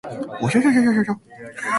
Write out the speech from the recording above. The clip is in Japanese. おひょひょひょひょひょひょ